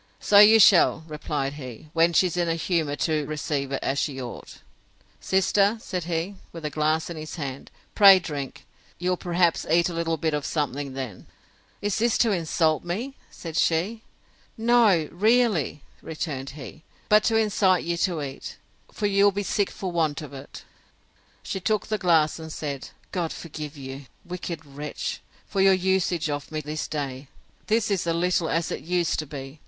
So you shall, replied he, when she's in a humour to receive it as she ought. Sister, said he, with a glass in his hand, pray drink; you'll perhaps eat a little bit of something then. Is this to insult me? said she.—No, really, returned he: but to incite you to eat; for you'll be sick for want of it. She took the glass, and said, God forgive you, wicked wretch, for your usage of me this day!—This is a little as it used to be!